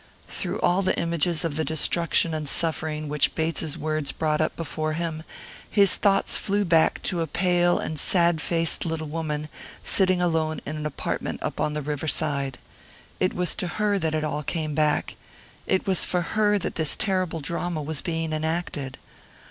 Through all the images of the destruction and suffering which Bates's words brought up before him, his thoughts flew back to a pale and sad faced little woman, sitting alone in an apartment up on the Riverside. It was to her that it all came back; it was for her that this terrible drama was being enacted.